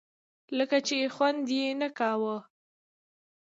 لکه چې خوند یې نه کاوه.